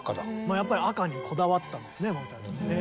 やっぱり赤にこだわったんですねモーツァルト。